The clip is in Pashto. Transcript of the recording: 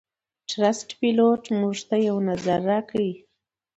ټرسټ پیلوټ - موږ ته یو نظر راکړئ